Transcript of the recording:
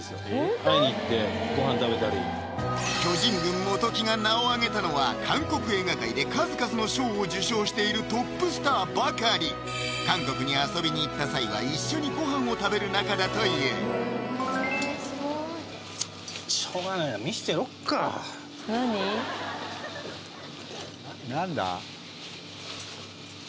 会いに行ってご飯食べたり巨人軍・元木が名を挙げたのは韓国映画界で数々の賞を受賞しているトップスターばかり韓国に遊びに行った際は一緒にご飯を食べる仲だというしょうがないな何だ？